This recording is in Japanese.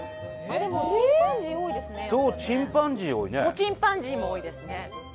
でもチンパンジー多いですねチンパンジーも多いですね